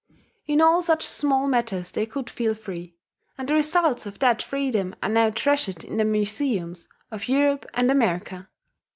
In all such small matters they could feel free; and the results of that freedom are now treasured in the museums of Europe and America.